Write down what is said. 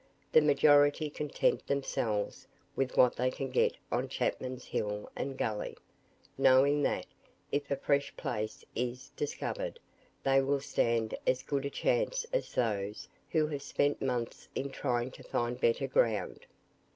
The majority content themselves with what they can get on Chapman's Hill and Gully, knowing that, if a fresh place is discovered, they will stand as good a chance as those who have spent months in trying to find better ground.